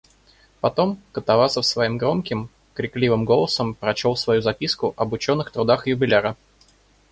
Потом Катавасов своим громким, крикливым голосом прочел свою записку об ученых трудах юбиляра.